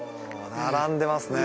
並んでますね